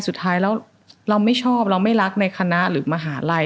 สุดท้ายแล้วเราไม่ชอบเราไม่รักในคณะหรือมหาลัย